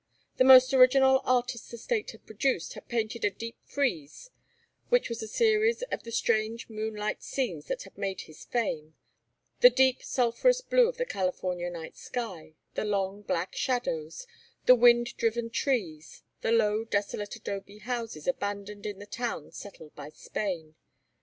The most original artist the State had produced had painted a deep frieze which was a series of the strange moonlight scenes that had made his fame: the deep sulphurous blue of the California night sky, the long black shadows, the wind driven trees, the low desolate adobe houses abandoned in the towns settled by Spain.